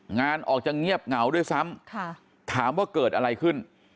งานออกจะเงียบเหงาด้วยซ้ำถามว่าเกิดอะไรขึ้น